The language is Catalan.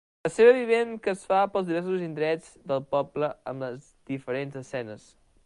Pessebre vivent que es fa pels diversos indrets del poble amb les diferents escenes.